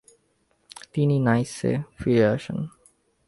তিনি নাইসে ফিরে আসেন ।